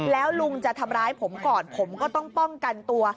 แล้วลุงจะทำร้ายผมก่อนผมก็ต้องป้องกันตัว